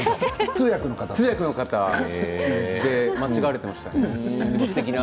通訳の方と間違われていました。